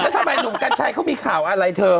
แล้วทำไมหนุ่มกัญชัยเขามีข่าวอะไรเธอ